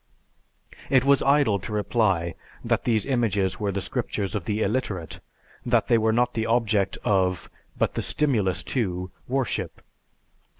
It was idle to reply that these images were the Scriptures of the illiterate, that they were not the object of, but the stimulus to, worship.